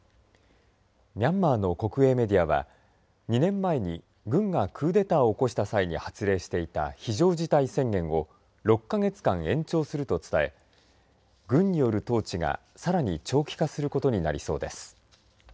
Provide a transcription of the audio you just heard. ミャンマーの国営メディアは２年前に軍がクーデターを起こした際に発令していた非常事態宣言を６か月間延長すると伝え軍による統治がさらに長期化することになりそうです。